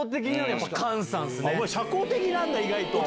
お前社交的なんだ意外と。